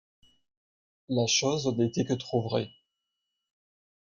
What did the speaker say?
La chose n’était que trop vraie.